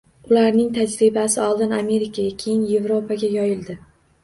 Ularning tajribasi oldin Amerikaga, keyin Yevropaga yoyildi